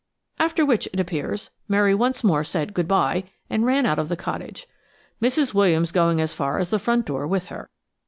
After which, it appears, Mary once more said "good bye" and ran out of the cottage, Mrs. Williams going as far as the front door with her.